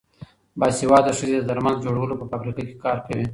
باسواده ښځې د درمل جوړولو په فابریکو کې کار کوي.